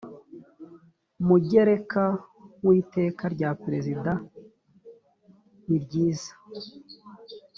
mugereka w iteka rya perezida niryiza